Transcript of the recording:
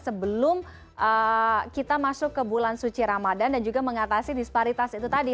sebelum kita masuk ke bulan suci ramadan dan juga mengatasi disparitas itu tadi